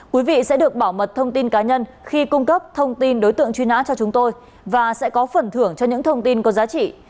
quý vị sẽ được bảo mật thông tin cá nhân khi cung cấp thông tin đối tượng truy nã cho chúng tôi và sẽ có phần thưởng cho những thông tin có giá trị